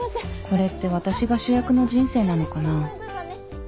これって私が主役の人生なのかな？